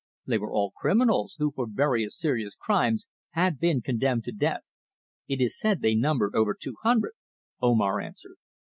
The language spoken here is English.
"They were all criminals who for various serious crimes had been condemned to death. It is said they numbered over two hundred," Omar answered.